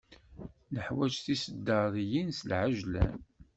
Neḥwaǧ tiseddaryin s lεeǧlan.